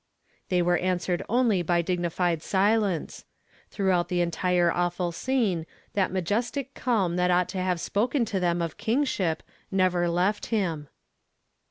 They were answered only by dignified silence. Throughout the entire awful scene, that majestic calm that ought to have spoken to them of Kiiur. ship never left him.